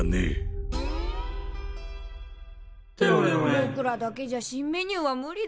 ぼくらだけじゃ新メニューは無理だ。